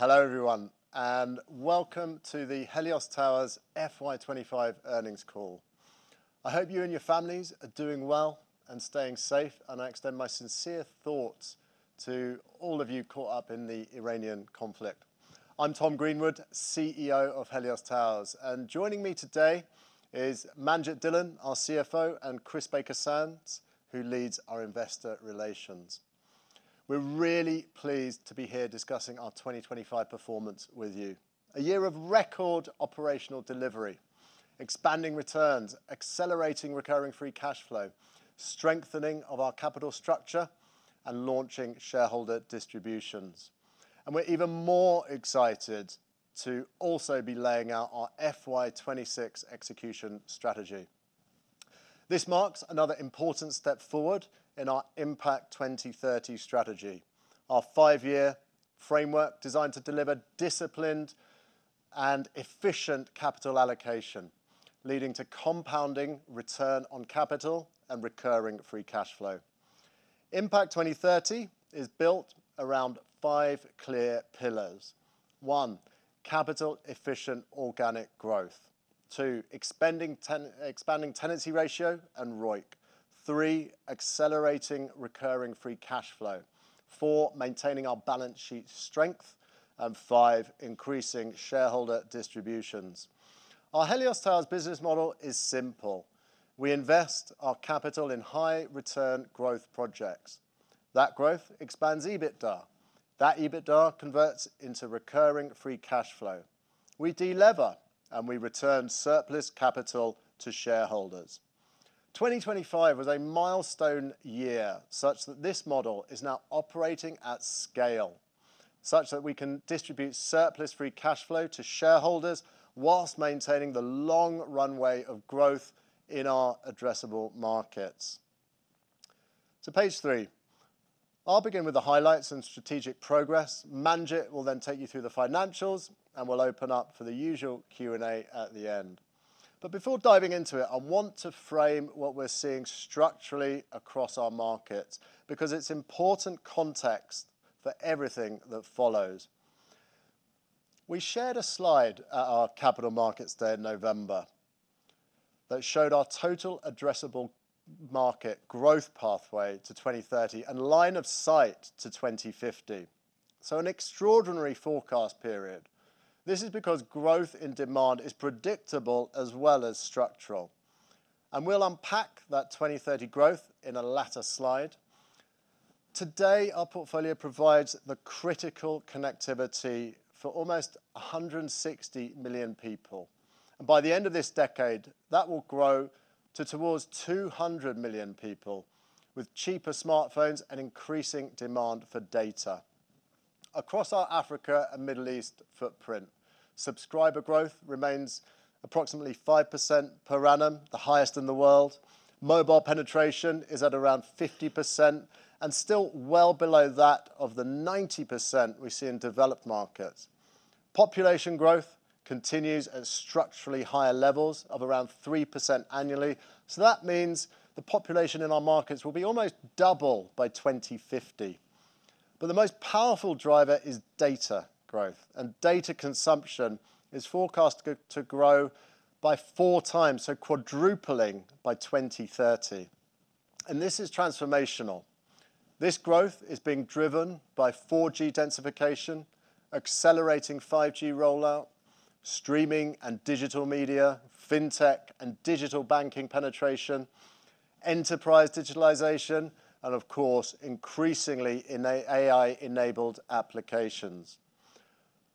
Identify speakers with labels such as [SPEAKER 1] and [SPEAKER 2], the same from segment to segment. [SPEAKER 1] Hello everyone, and welcome to the Helios Towers FY 25 earnings call. I hope you and your families are doing well and staying safe, and I extend my sincere thoughts to all of you caught up in the Iranian conflict. I'm Tom Greenwood, CEO of Helios Towers, and joining me today is Manjit Dhillon, our CFO, and Chris Baker-Sams, who leads our investor relations. We're really pleased to be here discussing our 2025 performance with you. A year of record operational delivery, expanding returns, accelerating recurring free cash flow, strengthening of our capital structure and launching shareholder distributions. We're even more excited to also be laying out our FY 26 execution strategy. This marks another important step forward in our IMPACT 2030 strategy, our five-year framework designed to deliver disciplined and efficient capital allocation, leading to compounding return on capital and recurring free cash flow. IMPACT 2030 is built around five clear pillars. One, capital efficient organic growth. Two, expanding tenancy ratio and ROIC. Three, accelerating recurring free cash flow. Four, maintaining our balance sheet strength. Five, increasing shareholder distributions. Our Helios Towers business model is simple. We invest our capital in high return growth projects. That growth expands EBITDA. That EBITDA converts into recurring free cash flow. We de-lever and we return surplus capital to shareholders. 2025 was a milestone year, such that this model is now operating at scale, such that we can distribute surplus free cash flow to shareholders while maintaining the long runway of growth in our addressable markets. To page three. I'll begin with the highlights and strategic progress. Manjit will then take you through the financials, and we'll open up for the usual Q&A at the end. Before diving into it, I want to frame what we're seeing structurally across our markets, because it's important context for everything that follows. We shared a slide at our Capital Markets Day in November that showed our total addressable market growth pathway to 2030 and line of sight to 2050. An extraordinary forecast period. This is because growth in demand is predictable as well as structural. We'll unpack that 2030 growth in a later slide. Today, our portfolio provides the critical connectivity for almost 160 million people, and by the end of this decade, that will grow to towards 200 million people with cheaper smartphones and increasing demand for data. Across our Africa and Middle East footprint, subscriber growth remains approximately 5% per annum, the highest in the world. Mobile penetration is at around 50% and still well below that of the 90% we see in developed markets. Population growth continues at structurally higher levels of around 3% annually. That means the population in our markets will be almost double by 2050. The most powerful driver is data growth. Data consumption is forecast to grow by 4 times, so quadrupling by 2030. This is transformational. This growth is being driven by 4G densification, accelerating 5G rollout, streaming and digital media, fintech and digital banking penetration, enterprise digitalization, and of course, increasingly in AI-enabled applications.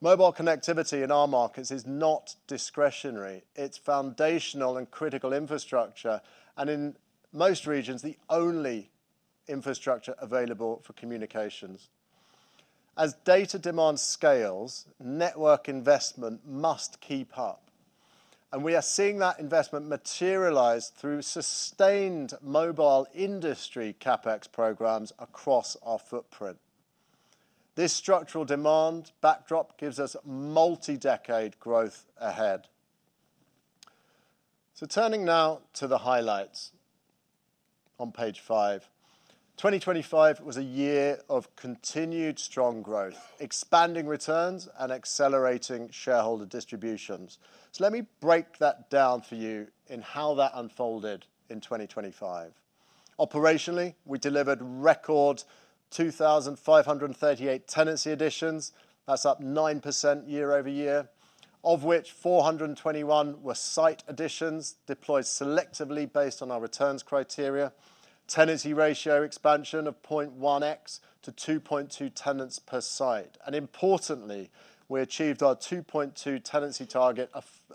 [SPEAKER 1] Mobile connectivity in our markets is not discretionary. It's foundational and critical infrastructure, and in most regions, the only infrastructure available for communications. As data demand scales, network investment must keep up, and we are seeing that investment materialize through sustained mobile industry CapEx programs across our footprint. This structural demand backdrop gives us multi-decade growth ahead. Turning now to the highlights on page 5. 2025 was a year of continued strong growth, expanding returns and accelerating shareholder distributions. Let me break that down for you in how that unfolded in 2025. Operationally, we delivered record 2,538 tenancy additions. That's up 9% year-over-year, of which 421 were site additions deployed selectively based on our returns criteria, tenancy ratio expansion of 0.1x to 2.2 tenants per site. Importantly, we achieved our 2.2 tenancy target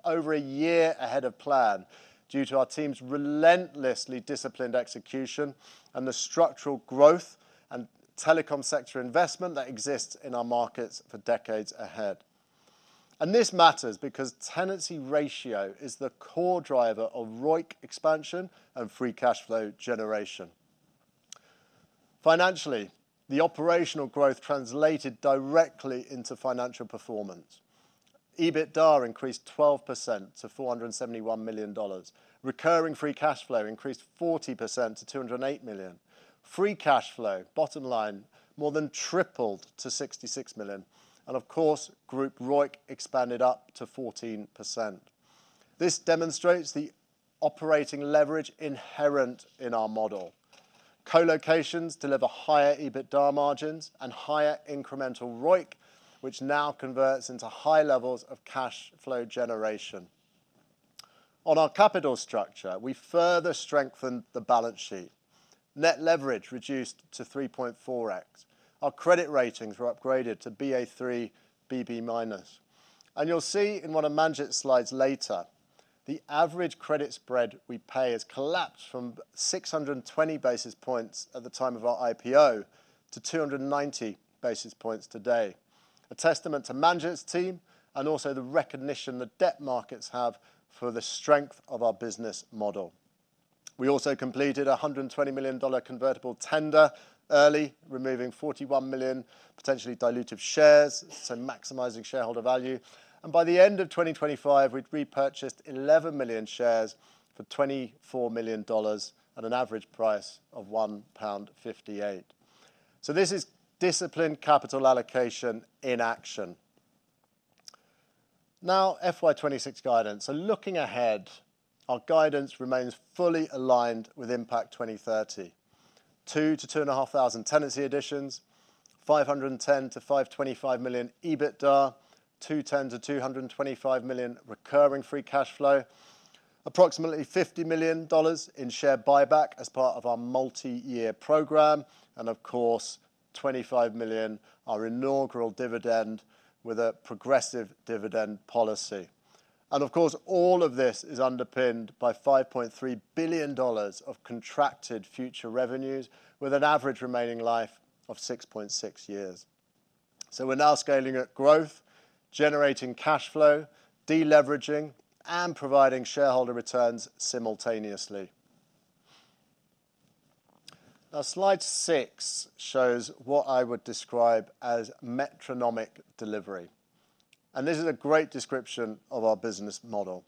[SPEAKER 1] over a year ahead of plan due to our team's relentlessly disciplined execution and the structural growth and telecom sector investment that exists in our markets for decades ahead. This matters because tenancy ratio is the core driver of ROIC expansion and free cash flow generation. Financially, the operational growth translated directly into financial performance. EBITDA increased 12% to $471 million. Recurring free cash flow increased 40% to $208 million. Free cash flow, bottom line, more than tripled to $66 million. Of course, group ROIC expanded up to 14%. This demonstrates the operating leverage inherent in our model. Colocations deliver higher EBITDA margins and higher incremental ROIC, which now converts into high levels of cash flow generation. On our capital structure, we further strengthened the balance sheet. Net leverage reduced to 3.4x. Our credit ratings were upgraded to Ba3 / BB-. You'll see in one of Manjit's slides later, the average credit spread we pay has collapsed from 620 basis points at the time of our IPO to 290 basis points today. A testament to Manjit's team, and also the recognition the debt markets have for the strength of our business model. We also completed a $120 million convertible tender early, removing 41 million potentially dilutive shares, so maximizing shareholder value. By the end of 2025, we'd repurchased 11 million shares for $24 million at an average price of £1.58. This is disciplined capital allocation in action. Now, FY26 guidance. Looking ahead, our guidance remains fully aligned with IMPACT 2030. 2-2.5 thousand tenancy additions, $510-$525 million EBITDA, $210-$225 million recurring free cash flow. Approximately $50 million in share buyback as part of our multi-year program, and of course, $25 million, our inaugural dividend, with a progressive dividend policy. Of course, all of this is underpinned by $5.3 billion of contracted future revenues with an average remaining life of 6.6 years. We're now scaling up growth, generating cash flow, de-leveraging, and providing shareholder returns simultaneously. Now, slide six shows what I would describe as metronomic delivery, and this is a great description of our business model.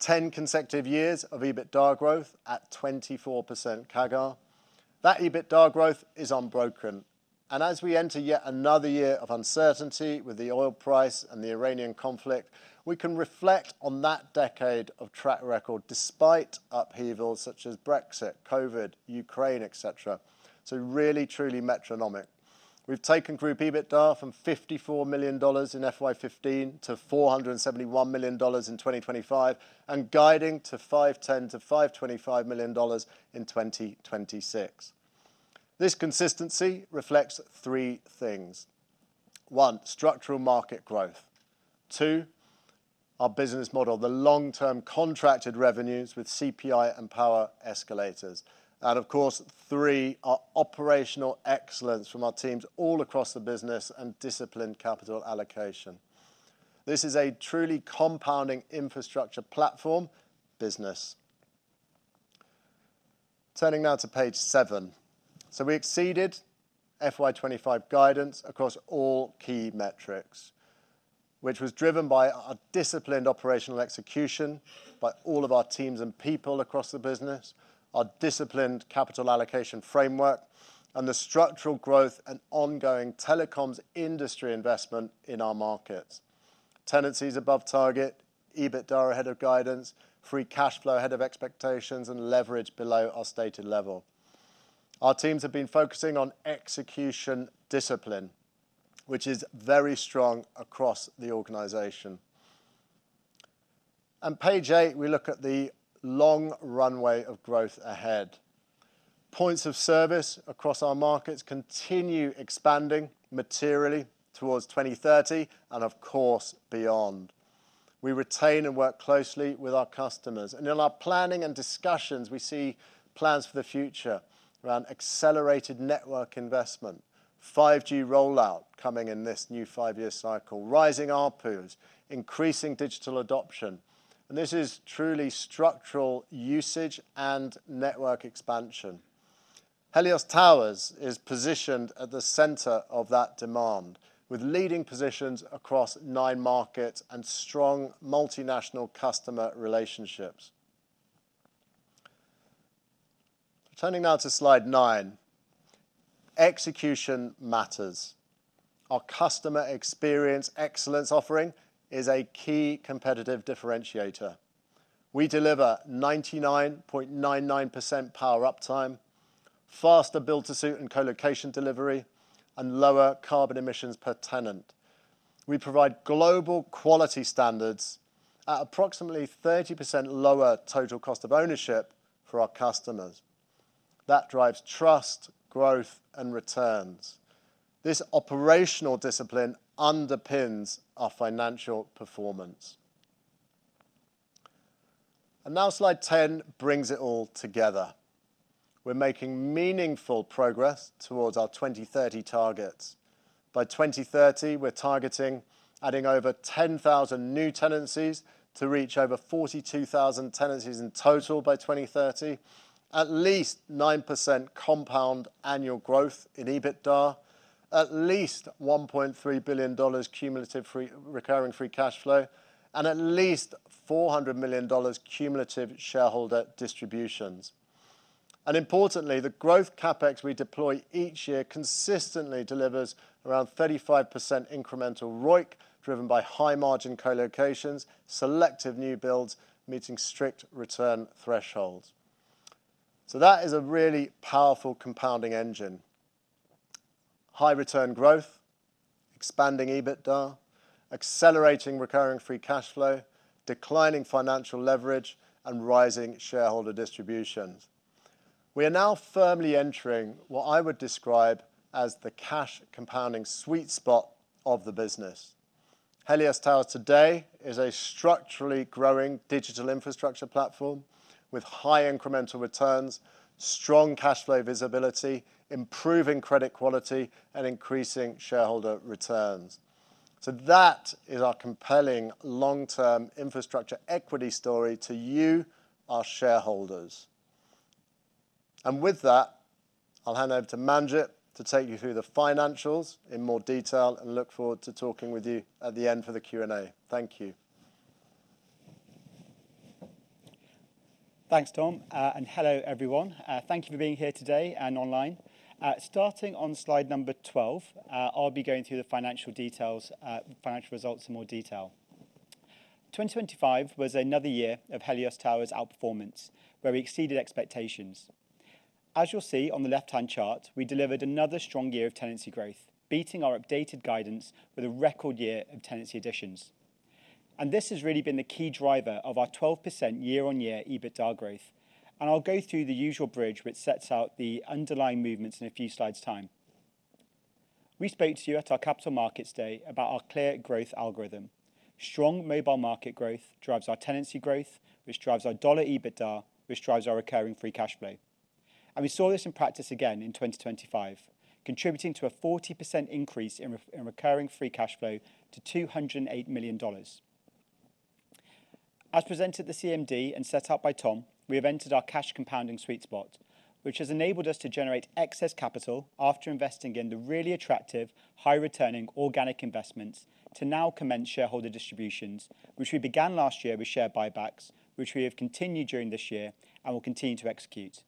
[SPEAKER 1] 10 consecutive years of EBITDA growth at 24% CAGR. That EBITDA growth is unbroken. As we enter yet another year of uncertainty with the oil price and the Iranian conflict, we can reflect on that decade of track record despite upheavals such as Brexit, COVID, Ukraine, et cetera. Really, truly metronomic. We've taken group EBITDA from $54 million in FY 2015 to $471 million in 2025, and guiding to $510-$525 million in 2026. This consistency reflects three things. One, structural market growth. Two, our business model, the long-term contracted revenues with CPI and power escalators. Of course, three, our operational excellence from our teams all across the business and disciplined capital allocation. This is a truly compounding infrastructure platform business. Turning now to page seven. We exceeded FY 25 guidance across all key metrics, which was driven by our disciplined operational execution by all of our teams and people across the business, our disciplined capital allocation framework, and the structural growth and ongoing telecoms industry investment in our markets. Tenancies above target, EBITDA ahead of guidance, free cash flow ahead of expectations, and leverage below our stated level. Our teams have been focusing on execution discipline, which is very strong across the organization. On page 8, we look at the long runway of growth ahead. Points of service across our markets continue expanding materially towards 2030 and of course, beyond. We retain and work closely with our customers. In our planning and discussions, we see plans for the future around accelerated network investment, 5G rollout coming in this new five-year cycle, rising ARPUs, increasing digital adoption. This is truly structural usage and network expansion. Helios Towers is positioned at the center of that demand, with leading positions across nine markets and strong multinational customer relationships. Turning now to slide nine. Execution matters. Our customer experience excellence offering is a key competitive differentiator. We deliver 99.99% power uptime, faster build-to-suit and colocation delivery, and lower carbon emissions per tenant. We provide global quality standards at approximately 30% lower total cost of ownership for our customers. That drives trust, growth, and returns. This operational discipline underpins our financial performance. Now slide ten brings it all together. We're making meaningful progress towards our 2030 targets. By 2030, we're targeting adding over 10,000 new tenancies to reach over 42,000 tenancies in total by 2030. At least 9% compound annual growth in EBITDA. At least $1.3 billion cumulative recurring free cash flow, and at least $400 million cumulative shareholder distributions. Importantly, the growth CapEx we deploy each year consistently delivers around 35% incremental ROIC driven by high margin colocations, selective new builds, meeting strict return thresholds. That is a really powerful compounding engine. High return growth, expanding EBITDA, accelerating recurring free cash flow, declining financial leverage and rising shareholder distributions. We are now firmly entering what I would describe as the cash compounding sweet spot of the business. Helios Towers today is a structurally growing digital infrastructure platform with high incremental returns, strong cash flow visibility, improving credit quality and increasing shareholder returns. That is our compelling long-term infrastructure equity story to you, our shareholders. With that, I'll hand over to Manjit to take you through the financials in more detail and look forward to talking with you at the end for the Q&A. Thank you.
[SPEAKER 2] Thanks, Tom, and hello, everyone. Thank you for being here today and online. Starting on slide number 12, I'll be going through the financial details, financial results in more detail. 2025 was another year of Helios Towers outperformance, where we exceeded expectations. As you'll see on the left-hand chart, we delivered another strong year of tenancy growth, beating our updated guidance with a record year of tenancy additions. This has really been the key driver of our 12% year-on-year EBITDA growth. I'll go through the usual bridge which sets out the underlying movements in a few slides time. We spoke to you at our Capital Markets Day about our clear growth algorithm. Strong mobile market growth drives our tenancy growth, which drives our dollar EBITDA, which drives our recurring free cash flow. We saw this in practice again in 2025, contributing to a 40% increase in recurring free cash flow to $208 million. As presented at the CMD and set out by Tom, we have entered our cash compounding sweet spot, which has enabled us to generate excess capital after investing in the really attractive high returning organic investments to now commence shareholder distributions, which we began last year with share buybacks, which we have continued during this year and will continue to execute.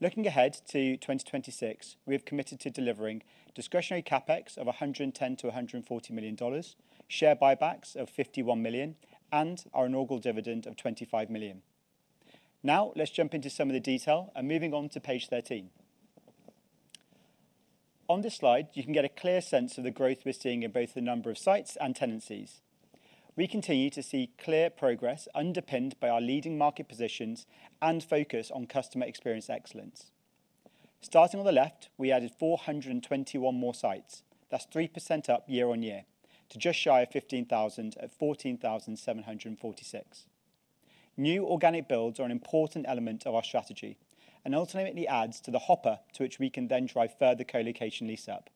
[SPEAKER 2] Looking ahead to 2026, we have committed to delivering discretionary CapEx of $110 million-$140 million, share buybacks of $51 million, and our inaugural dividend of $25 million. Now, let's jump into some of the detail and moving on to page 13. On this slide, you can get a clear sense of the growth we're seeing in both the number of sites and tenancies. We continue to see clear progress underpinned by our leading market positions and focus on customer experience excellence. Starting on the left, we added 421 more sites. That's 3% up year-on-year to just shy of 15,000 at 14,746. New organic builds are an important element of our strategy and ultimately adds to the hopper to which we can then drive further colocation lease up.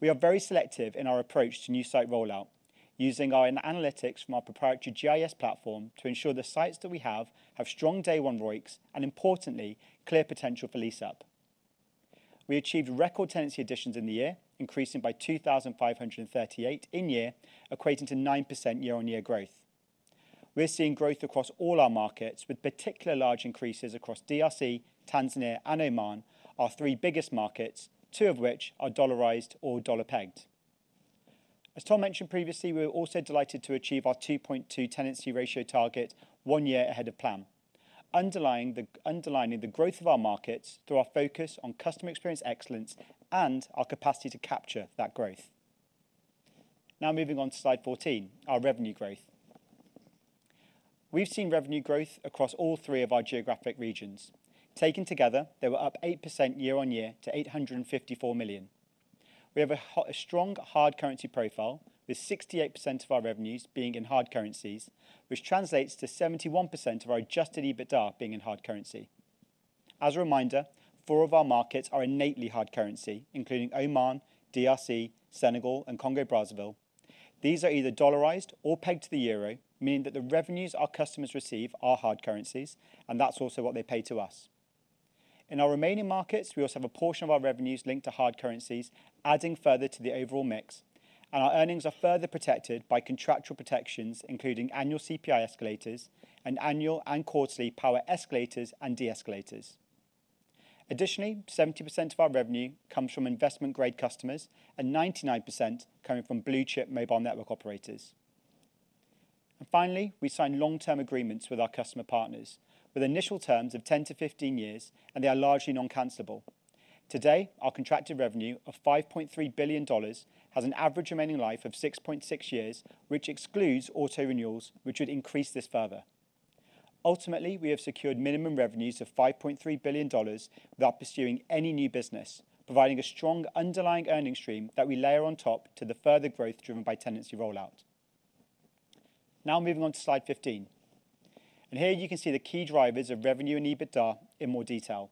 [SPEAKER 2] We are very selective in our approach to new site rollout, using our analytics from our proprietary GIS platform to ensure the sites that we have strong day one ROICs and importantly, clear potential for lease up. We achieved record tenancy additions in the year, increasing by 2,538 in year, equating to 9% year-on-year growth. We're seeing growth across all our markets, with particular large increases across DRC, Tanzania and Oman, our three biggest markets, two of which are dollarized or dollar-pegged. As Tom mentioned previously, we are also delighted to achieve our 2.2 tenancy ratio target one year ahead of plan. Underlining the growth of our markets through our focus on customer experience excellence and our capacity to capture that growth. Now moving on to slide 14, our revenue growth. We've seen revenue growth across all three of our geographic regions. Taken together, they were up 8% year-on-year to $854 million. We have a strong hard currency profile with 68% of our revenues being in hard currencies, which translates to 71% of our adjusted EBITDA being in hard currency. As a reminder, four of our markets are innately hard currency, including Oman, DRC, Senegal and Congo, Brazzaville. These are either dollarized or pegged to the euro, meaning that the revenues our customers receive are hard currencies, and that's also what they pay to us. In our remaining markets, we also have a portion of our revenues linked to hard currencies, adding further to the overall mix. Our earnings are further protected by contractual protections, including annual CPI escalators and annual and quarterly power escalators and deescalators. Additionally, 70% of our revenue comes from investment-grade customers and 99% coming from blue chip mobile network operators. Finally, we sign long-term agreements with our customer partners with initial terms of 10-15 years, and they are largely non-cancelable. Today, our contracted revenue of $5.3 billion has an average remaining life of 6.6 years, which excludes auto renewals, which would increase this further. Ultimately, we have secured minimum revenues of $5.3 billion without pursuing any new business, providing a strong underlying earnings stream that we layer on top to the further growth driven by tenancy rollout. Now moving on to slide 15. Here you can see the key drivers of revenue and EBITDA in more detail.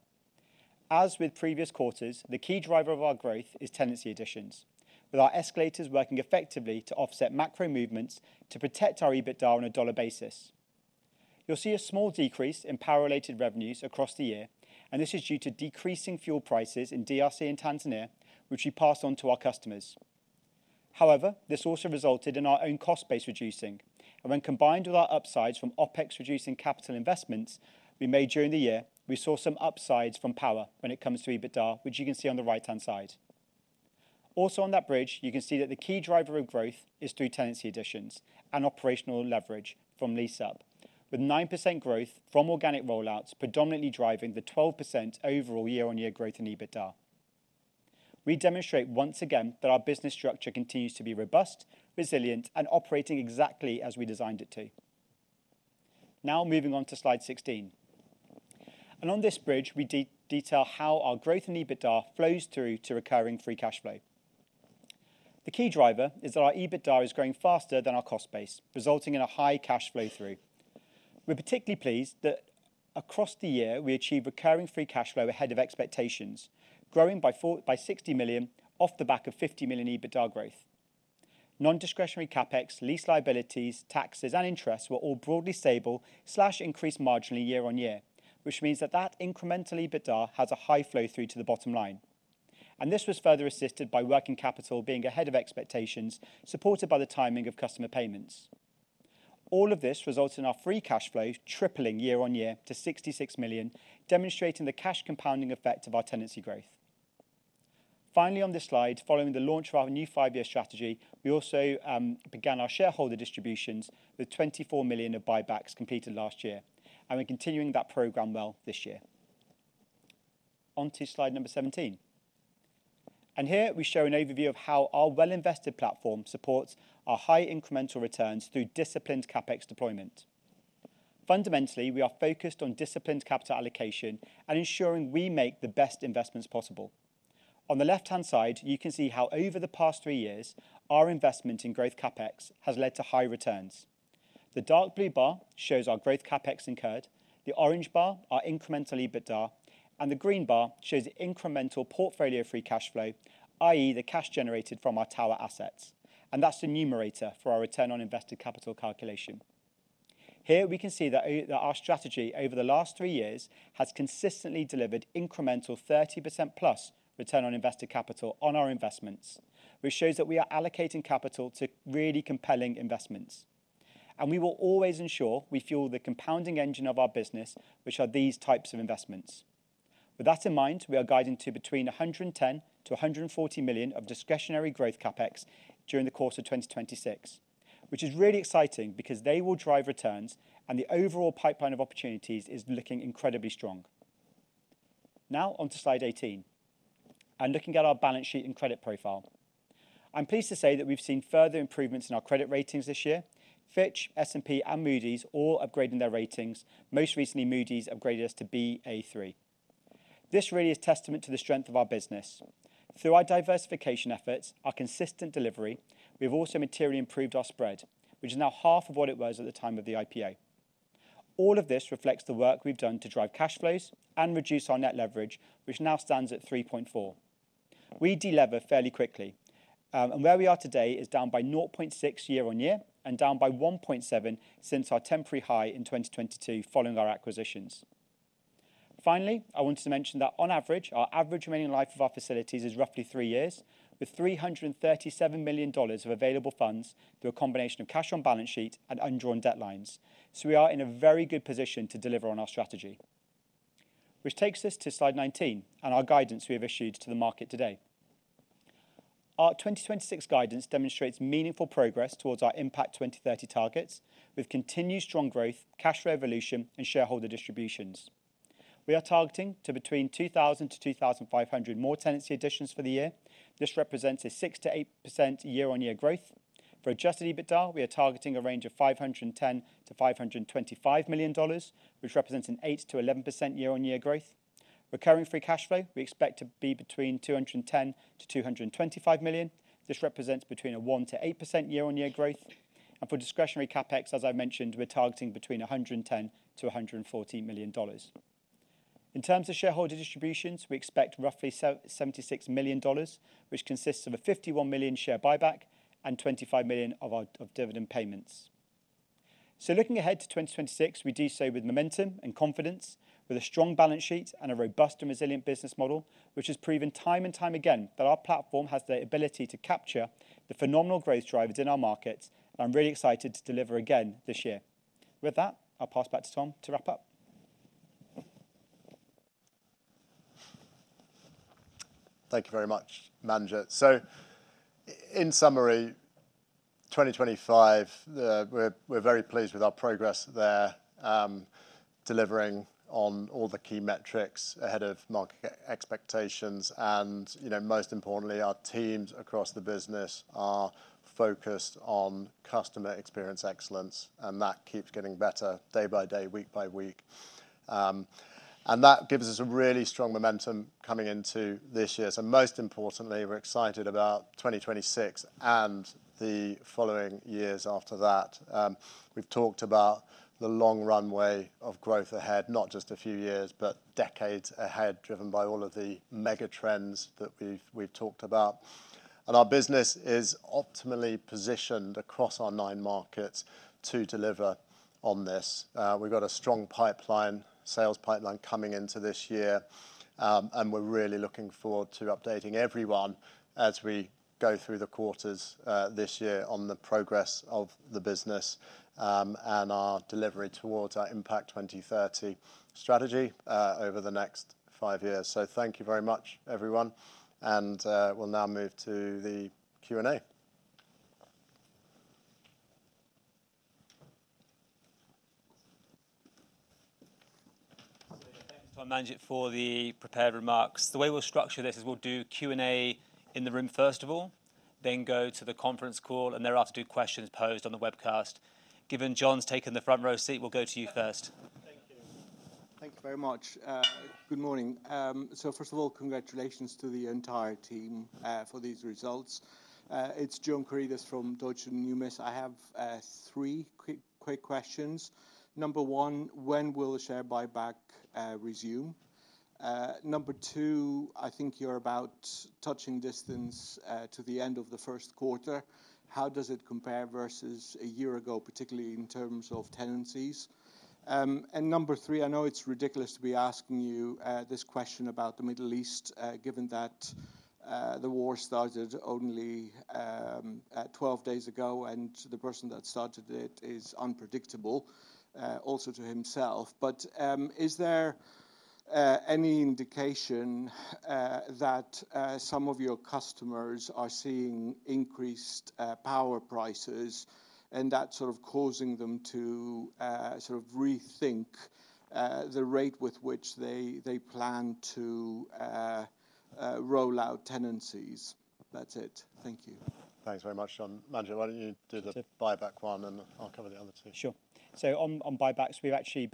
[SPEAKER 2] As with previous quarters, the key driver of our growth is tenancy additions, with our escalators working effectively to offset macro movements to protect our EBITDA on a dollar basis. You'll see a small decrease in power-related revenues across the year, and this is due to decreasing fuel prices in DRC and Tanzania, which we passed on to our customers. However, this also resulted in our own cost base reducing and when combined with our upsides from OpEx reducing capital investments we made during the year, we saw some upsides from power when it comes to EBITDA, which you can see on the right-hand side. Also on that bridge, you can see that the key driver of growth is through tenancy additions and operational leverage from lease up, with 9% growth from organic rollouts predominantly driving the 12% overall year-on-year growth in EBITDA. We demonstrate once again that our business structure continues to be robust, resilient, and operating exactly as we designed it to. Now, moving on to slide 16. On this bridge, we detail how our growth in EBITDA flows through to recurring free cash flow. The key driver is that our EBITDA is growing faster than our cost base, resulting in a high cash flow through. We're particularly pleased that across the year we achieved recurring free cash flow ahead of expectations, growing by $60 million off the back of $50 million EBITDA growth. Non-discretionary CapEx, lease liabilities, taxes, and interest were all broadly stable or increased marginally year-on-year, which means that incremental EBITDA has a high flow through to the bottom line. This was further assisted by working capital being ahead of expectations, supported by the timing of customer payments. All of this results in our free cash flow tripling year-over-year to $66 million, demonstrating the cash compounding effect of our tenancy growth. Finally, on this slide, following the launch of our new five-year strategy, we also began our shareholder distributions with $24 million of buybacks completed last year, and we're continuing that program well this year. On to slide 17. Here we show an overview of how our well-invested platform supports our high incremental returns through disciplined CapEx deployment. Fundamentally, we are focused on disciplined capital allocation and ensuring we make the best investments possible. On the left-hand side, you can see how over the past three years, our investment in growth CapEx has led to high returns. The dark blue bar shows our growth CapEx incurred, the orange bar our incremental EBITDA, and the green bar shows incremental portfolio free cash flow, i.e., the cash generated from our tower assets, and that's the numerator for our return on invested capital calculation. Here we can see that that our strategy over the last three years has consistently delivered incremental 30%+ return on invested capital on our investments, which shows that we are allocating capital to really compelling investments. We will always ensure we fuel the compounding engine of our business, which are these types of investments. With that in mind, we are guiding to between $110 million and $140 million of discretionary growth CapEx during the course of 2026, which is really exciting because they will drive returns, and the overall pipeline of opportunities is looking incredibly strong. Now on to slide 18 and looking at our balance sheet and credit profile. I'm pleased to say that we've seen further improvements in our credit ratings this year. Fitch, S&P, and Moody's all upgrading their ratings. Most recently, Moody's upgraded us to Ba3. This really is testament to the strength of our business. Through our diversification efforts, our consistent delivery, we've also materially improved our spread, which is now half of what it was at the time of the IPO. All of this reflects the work we've done to drive cash flows and reduce our net leverage, which now stands at 3.4. We de-lever fairly quickly, and where we are today is down by 0.6 year-on-year and down by 1.7 since our temporary high in 2022 following our acquisitions. Finally, I wanted to mention that on average, our average remaining life of our facilities is roughly 3 years, with $337 million of available funds through a combination of cash on balance sheet and undrawn debt lines. We are in a very good position to deliver on our strategy. Which takes us to slide 19 and our guidance we have issued to the market today. Our 2026 guidance demonstrates meaningful progress towards our IMPACT 2030 targets with continued strong growth, cash generation, and shareholder distributions. We are targeting to between 2,000 to 2,500 more tenancy additions for the year. This represents a 6%-8% year-on-year growth. For adjusted EBITDA, we are targeting a range of $510 million-$525 million, which represents an 8%-11% year-on-year growth. Recurring free cash flow we expect to be between $210 million and $225 million. This represents between 1%-8% year-on-year growth. For discretionary CapEx, as I mentioned, we're targeting between $110 million and $140 million. In terms of shareholder distributions, we expect roughly $76 million, which consists of a $51 million share buyback and $25 million of dividend payments. Looking ahead to 2026, we do so with momentum and confidence with a strong balance sheet and a robust and resilient business model, which has proven time and time again that our platform has the ability to capture the phenomenal growth drivers in our markets. I'm really excited to deliver again this year. With that, I'll pass back to Tom to wrap up.
[SPEAKER 1] Thank you very much, Manjit. In summary, 2025, we're very pleased with our progress there, delivering on all the key metrics ahead of market expectations. You know, most importantly, our teams across the business are focused on customer experience excellence, and that keeps getting better day by day, week by week. That gives us a really strong momentum coming into this year. Most importantly, we're excited about 2026 and the following years after that. We've talked about the long runway of growth ahead, not just a few years, but decades ahead, driven by all of the mega trends that we've talked about. Our business is optimally positioned across our nine markets to deliver on this. We've got a strong pipeline, sales pipeline coming into this year, and we're really looking forward to updating everyone as we go through the quarters this year on the progress of the business and our delivery towards our IMPACT 2030 strategy over the next five years. Thank you very much, everyone, and we'll now move to the Q&A.
[SPEAKER 3] Thank you to Manjit for the prepared remarks. The way we'll structure this is we'll do Q&A in the room first of all, then go to the conference call and thereafter do questions posed on the webcast. Given John's taken the front row seat, we'll go to you first.
[SPEAKER 4] Thank you. Thank you very much. Good morning. First of all, congratulations to the entire team for these results. It's John Karidis from Deutsche Numis. I have three quick questions. Number 1, when will the share buyback resume? Number 2, I think you're about touching distance to the end of the first quarter. How does it compare versus a year ago, particularly in terms of tenancies? Number 3, I know it's ridiculous to be asking you this question about the Middle East, given that the war started only 12 days ago, and the person that started it is unpredictable also to himself. Is there any indication that some of your customers are seeing increased power prices and that's sort of causing them to sort of rethink the rate with which they plan to roll out tenancies? That's it. Thank you.
[SPEAKER 1] Thanks very much, John. Manjit, why don't you do the buyback one, and I'll cover the other two.
[SPEAKER 2] Sure. On buybacks, we've actually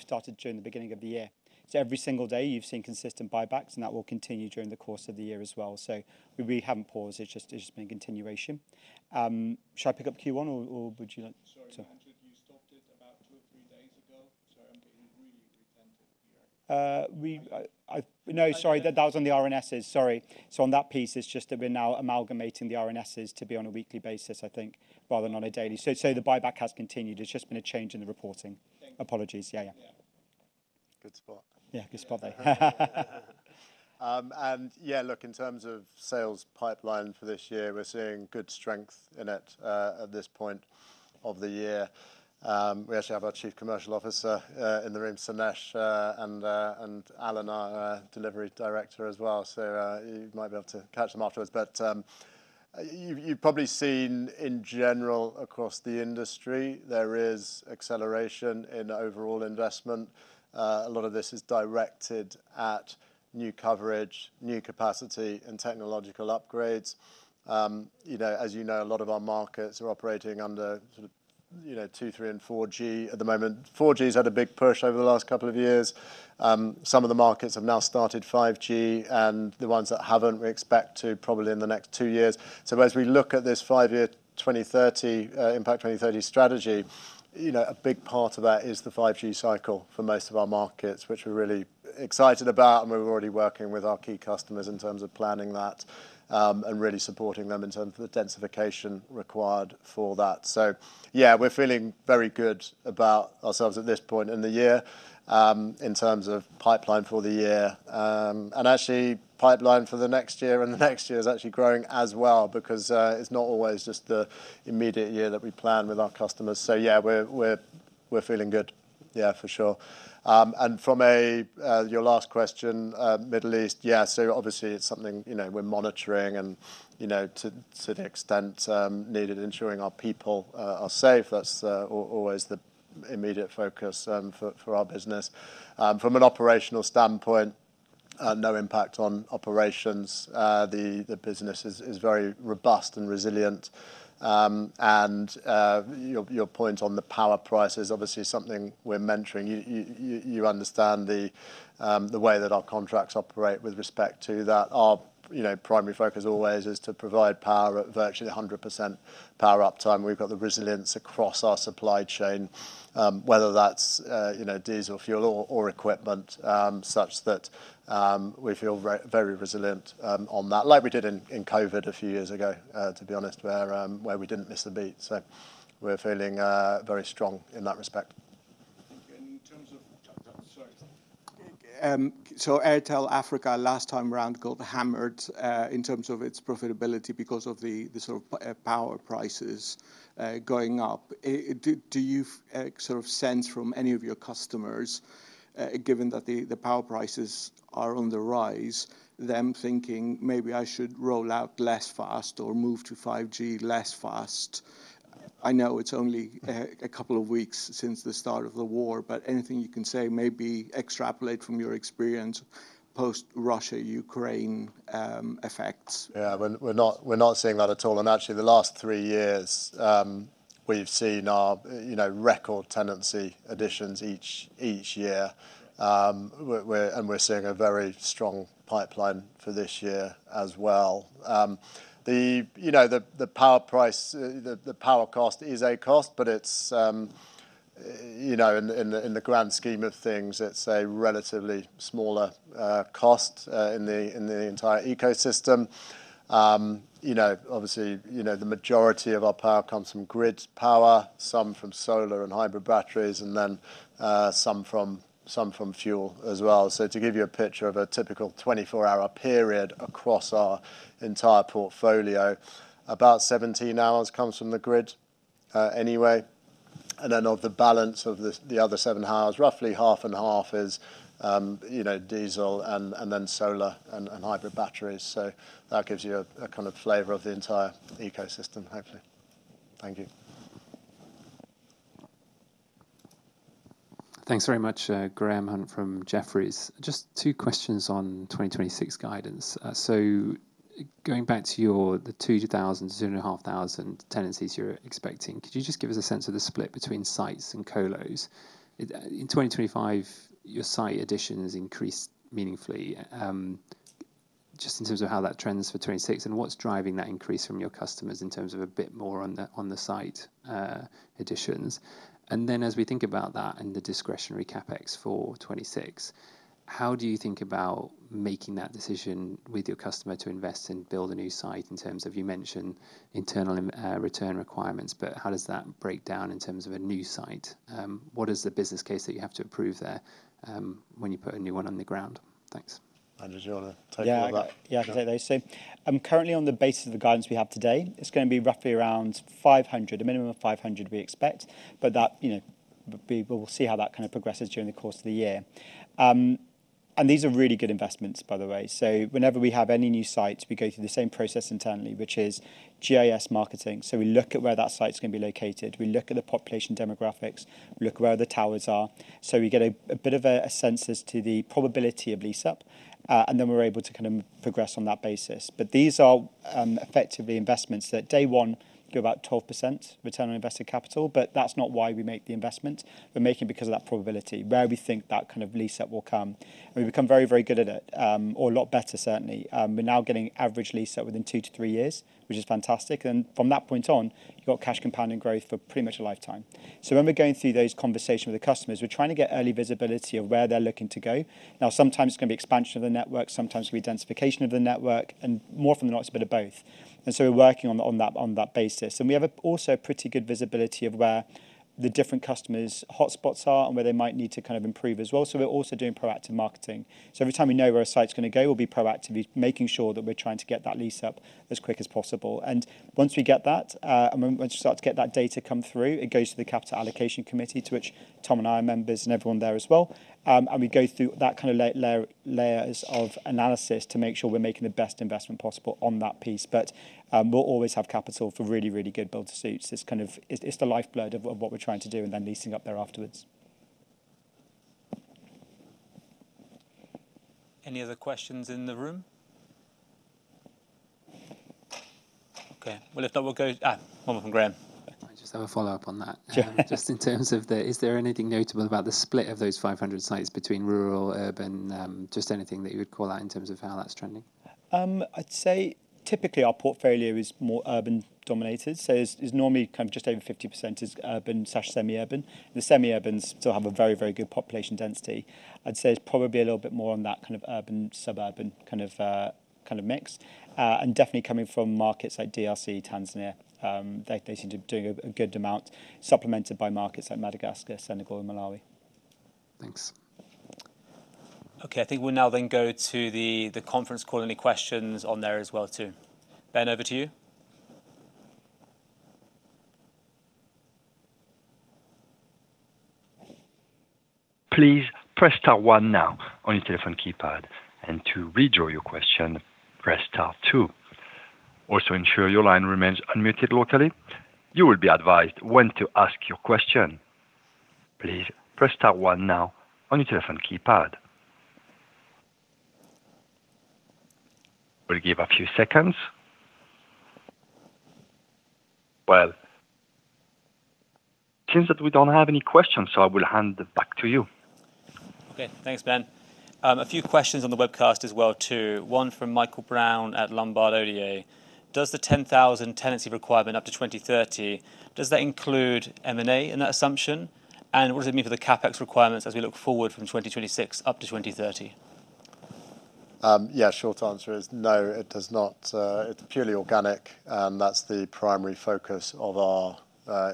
[SPEAKER 2] started during the beginning of the year. Every single day, you've seen consistent buybacks, and that will continue during the course of the year as well. We really haven't paused, it's just been continuation. Should I pick up Q1 or would you like-
[SPEAKER 4] Sorry, Manjit. You stopped it about two or three days ago. Sorry, I'm getting really repetitive here.
[SPEAKER 2] No, sorry. That was on the RNSs, sorry. On that piece, it's just that we're now amalgamating the RNSs to be on a weekly basis, I think, rather than on a daily. The buyback has continued. It's just been a change in the reporting.
[SPEAKER 4] Thank you.
[SPEAKER 2] Apologies. Yeah, yeah.
[SPEAKER 4] Yeah.
[SPEAKER 1] Good spot.
[SPEAKER 2] Yeah, good spot there.
[SPEAKER 1] Yeah, look, in terms of sales pipeline for this year, we're seeing good strength in it at this point of the year. We actually have our Chief Commercial Officer, Sainesh Vallabh, in the room, and Alan, our Delivery Director, as well. You might be able to catch them afterwards. You've probably seen in general across the industry, there is acceleration in overall investment. A lot of this is directed at new coverage, new capacity and technological upgrades. You know, as you know, a lot of our markets are operating under sort of, you know, 2G, 3G and 4G at the moment. 4G's had a big push over the last couple of years. Some of the markets have now started 5G, and the ones that haven't, we expect to probably in the next two years. As we look at this five-year 2030 IMPACT 2030 strategy, you know, a big part of that is the 5G cycle for most of our markets, which we're really excited about, and we're already working with our key customers in terms of planning that, and really supporting them in terms of the densification required for that. Yeah, we're feeling very good about ourselves at this point in the year, in terms of pipeline for the year. Actually pipeline for the next year and the next year is actually growing as well because it's not always just the immediate year that we plan with our customers. Yeah, we're feeling good. Yeah, for sure. From your last question, Middle East, yeah, so obviously it's something, you know, we're monitoring and, you know, to the extent needed ensuring our people are safe. That's always the immediate focus for our business. From an operational standpoint, no impact on operations. The business is very robust and resilient. Your point on the power price is obviously something we're monitoring. You understand the way that our contracts operate with respect to that. Our primary focus always is to provide power at virtually 100% power uptime. We've got the resilience across our supply chain, whether that's, you know, diesel fuel or equipment, such that we feel very resilient on that, like we did in COVID a few years ago, to be honest, where we didn't miss a beat. We're feeling very strong in that respect.
[SPEAKER 4] Airtel Africa last time around got hammered in terms of its profitability because of the sort of power prices going up. Do you sort of sense from any of your customers, given that the power prices are on the rise, them thinking maybe I should roll out less fast or move to 5G less fast? I know it's only a couple of weeks since the start of the war, but anything you can say, maybe extrapolate from your experience post Russia-Ukraine effects.
[SPEAKER 1] Yeah. We're not seeing that at all. Actually the last three years we've seen our record tenancy additions each year. You know, we're seeing a very strong pipeline for this year as well. You know, the power cost is a cost, but it's you know, in the grand scheme of things, it's a relatively smaller cost in the entire ecosystem. You know, obviously, you know, the majority of our power comes from grid power, some from solar and hybrid batteries, and then some from fuel as well. To give you a picture of a typical 24-hour period across our entire portfolio, about 17 hours comes from the grid, and then of the balance of the other 7 hours, roughly half and half is diesel and then solar and hybrid batteries. That gives you a kind of flavor of the entire ecosystem, hopefully. Thank you.
[SPEAKER 5] Thanks very much, Graham Hunt from Jefferies. Just two questions on 2026 guidance. Going back to the 2,000-2,500 tenancies you're expecting, could you just give us a sense of the split between sites and colos? In 2025, your site additions increased meaningfully, just in terms of how that trends for 2026 and what's driving that increase from your customers in terms of a bit more on the, on the site additions. As we think about that and the discretionary CapEx for 2026, how do you think about making that decision with your customer to invest and build a new site in terms of, you mentioned internal return requirements, but how does that break down in terms of a new site? What is the business case that you have to approve there, when you put a new one on the ground? Thanks.
[SPEAKER 3] Manjit Dhillon, do you wanna take all that?
[SPEAKER 2] Yeah. Yeah, I can take those. Currently on the basis of the guidance we have today, it's gonna be roughly around 500, a minimum of 500 we expect, but that, you know, we will see how that kind of progresses during the course of the year. These are really good investments, by the way. Whenever we have any new sites, we go through the same process internally, which is GIS marketing. We look at where that site's gonna be located, we look at the population demographics, we look where the towers are. We get a bit of a sense as to the probability of lease-up, and then we're able to kind of progress on that basis. These are effectively investments that day one do about 12% return on invested capital, but that's not why we make the investment. We make it because of that probability, where we think that kind of lease-up will come. We've become very, very good at it, or a lot better certainly. We're now getting average lease-up within 2-3 years, which is fantastic. From that point on, you've got cash compounding growth for pretty much a lifetime. When we're going through those conversations with the customers, we're trying to get early visibility of where they're looking to go. Now, sometimes it's gonna be expansion of the network, sometimes it'll be densification of the network, and more often than not, it's a bit of both. We're working on that basis. We also have pretty good visibility of where the different customers' hotspots are and where they might need to kind of improve as well. We're also doing proactive marketing. Every time we know where a site's gonna go, we'll be proactively making sure that we're trying to get that lease-up as quick as possible. Once we get that, and once we start to get that data come through, it goes to the capital allocation committee, to which Tom and I are members and everyone there as well. We go through that kind of layers of analysis to make sure we're making the best investment possible on that piece. We'll always have capital for really good build-to-suits. It's the lifeblood of what we're trying to do and then leasing up there afterwards.
[SPEAKER 3] Any other questions in the room? Okay. Well, if not, one more from Graham.
[SPEAKER 5] I just have a follow-up on that.
[SPEAKER 3] Sure.
[SPEAKER 5] Just in terms of, is there anything notable about the split of those 500 sites between rural, urban, just anything that you would call out in terms of how that's trending?
[SPEAKER 2] I'd say typically our portfolio is more urban dominated. It's normally kind of just over 50% is urban/semi-urban. The semi-urbans still have a very, very good population density. I'd say it's probably a little bit more on that kind of urban, suburban kind of mix. And definitely coming from markets like DRC, Tanzania, they seem to be doing a good amount, supplemented by markets like Madagascar, Senegal, and Malawi.
[SPEAKER 5] Thanks.
[SPEAKER 3] Okay. I think we'll now then go to the conference call. Any questions on there as well too. Ben, over to you.
[SPEAKER 6] Please press star one now on your telephone keypad. To withdraw your question, press star two. Also, ensure your line remains unmuted locally. You will be advised when to ask your question. Please press star one now on your telephone keypad. We'll give a few seconds. Well, seems that we don't have any questions, so I will hand it back to you.
[SPEAKER 3] Okay. Thanks, Ben. A few questions on the webcast as well too. One from Michael Brown at Lombard Odier. Does the 10,000 tenancy requirement up to 2030, does that include M&A in that assumption? And what does it mean for the CapEx requirements as we look forward from 2026 up to 2030?
[SPEAKER 1] Yeah, short answer is no, it does not. It's purely organic, and that's the primary focus of our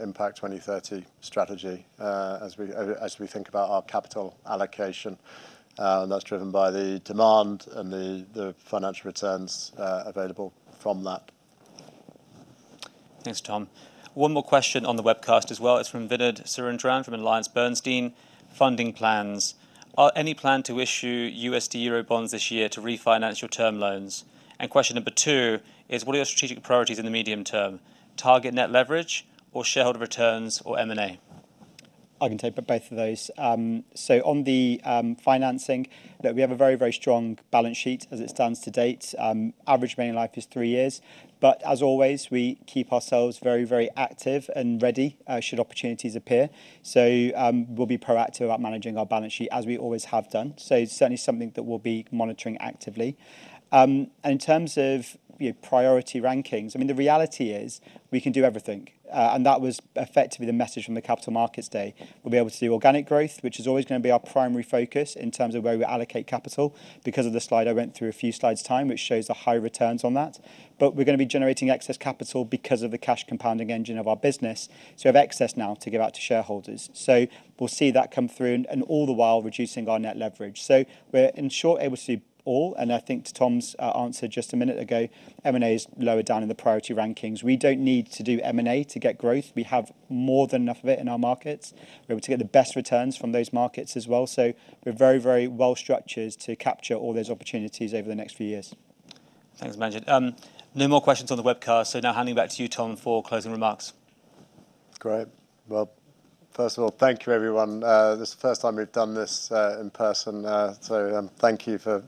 [SPEAKER 1] IMPACT 2030 strategy, as we think about our capital allocation, and that's driven by the demand and the financial returns available from that.
[SPEAKER 3] Thanks, Tom. One more question on the webcast as well. It's from Vinod Chathlani from AllianceBernstein. Funding plans. Are there any plans to issue USD Eurobonds this year to refinance your term loans? Question number 2 is, what are your strategic priorities in the medium term? Target net leverage or shareholder returns or M&A?
[SPEAKER 2] I can take both of those. On the financing, that we have a very, very strong balance sheet as it stands to date. Average remaining life is three years. As always, we keep ourselves very, very active and ready should opportunities appear. We'll be proactive about managing our balance sheet as we always have done. It's certainly something that we'll be monitoring actively. In terms of, you know, priority rankings, I mean, the reality is we can do everything. That was effectively the message from the Capital Markets Day. We'll be able to do organic growth, which is always gonna be our primary focus in terms of where we allocate capital because of the slide I went through a few slides time, which shows the high returns on that. We're gonna be generating excess capital because of the cash compounding engine of our business, so we have excess now to give out to shareholders. We'll see that come through and all the while reducing our net leverage. We're in short able to do all, and I think to Tom's answer just a minute ago, M&A is lower down in the priority rankings. We don't need to do M&A to get growth. We have more than enough of it in our markets. We're able to get the best returns from those markets as well. We're very, very well-structured to capture all those opportunities over the next few years.
[SPEAKER 3] Thanks, Manjit. No more questions on the webcast, so now handing back to you, Tom, for closing remarks.
[SPEAKER 1] Great. Well, first of all, thank you, everyone. This is the first time we've done this in person. Thank you for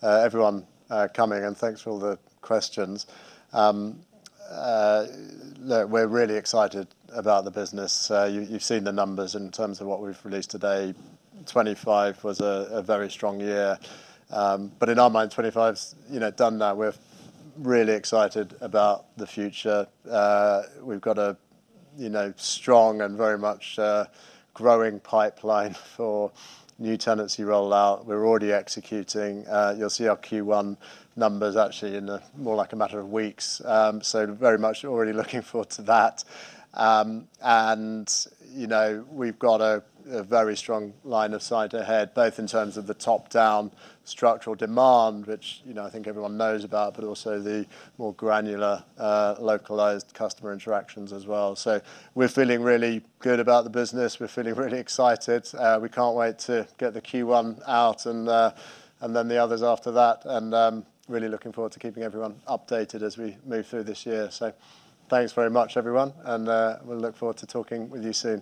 [SPEAKER 1] everyone coming, and thanks for all the questions. Look, we're really excited about the business. You've seen the numbers in terms of what we've released today. 2025 was a very strong year. In our mind, 2025's, you know, done that. We're really excited about the future. We've got a, you know, strong and very much growing pipeline for new tenancy rollout. We're already executing. You'll see our Q1 numbers actually in a more like a matter of weeks, so very much already looking forward to that. You know, we've got a very strong line of sight ahead, both in terms of the top-down structural demand, which, you know, I think everyone knows about, but also the more granular, localized customer interactions as well. We're feeling really good about the business. We're feeling really excited. We can't wait to get the Q1 out and then the others after that and really looking forward to keeping everyone updated as we move through this year. Thanks very much, everyone, and we'll look forward to talking with you soon.